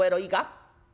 いいか？